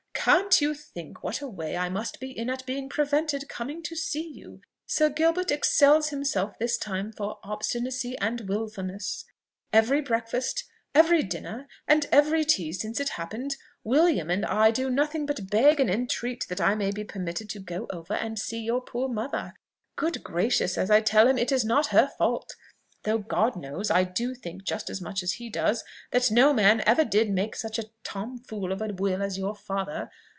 "Can't you think what a way I must be in at being prevented coming to see you? Sir Gilbert excels himself this time for obstinacy and wilfulness. Every breakfast, every dinner, and every tea since it happened, William and I do nothing but beg and entreat that I may be permitted to go over and see your poor mother! Good gracious! as I tell him, it is not her fault though God knows I do think just as much as he does, that no man ever did make such a tom fool of a will as your father.